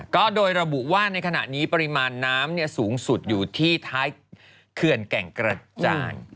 ก็โดยระบุว่าในขณะนี้ปริมาณน้ำสูงสุดอยู่ที่ท้ายเขื่อนแก่งกระจาน